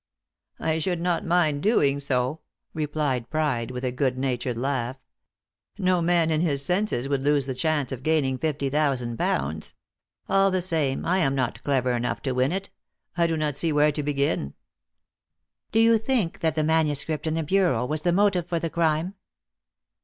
"I should not mind doing so," replied Pride, with a good natured laugh. "No man in his senses would lose the chance of gaining fifty thousand pounds. All the same, I am not clever enough to win it. I do not see where to begin." "Do you think that the manuscript in the bureau was the motive for the crime?"